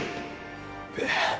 えっ。